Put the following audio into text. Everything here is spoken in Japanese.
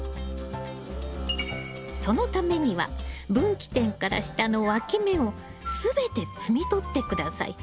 そのためには分岐点から下のわき芽を全て摘みとって下さい。